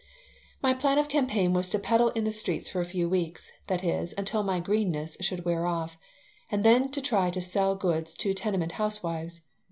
My plan of campaign was to peddle in the streets for a few weeks that is, until my "greenness" should wear off and then to try to sell goods to tenement housewives.